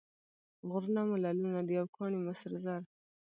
غرونه مو لعلونه دي او کاڼي مو سره زر.